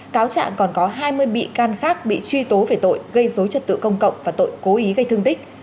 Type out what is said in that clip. cáo trạng còn có hai mươi bị can khác bị truy tố về tội gây dối trật tự công cộng và tội cố ý gây thương tích